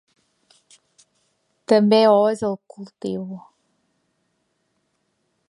També ho és el cultiu.